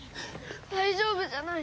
大丈夫じゃない。